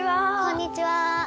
こんにちは。